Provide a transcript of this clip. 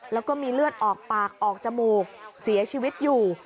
แล้วก็มีเลือดออกปากออกจมูกเสียชีวิตอยู่